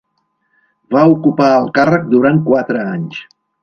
Va ocupar el càrrec durant quatre anys.